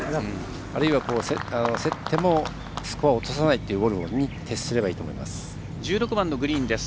あるいは、せってもスコアを落とさないというゴルフに徹すればいいと思います。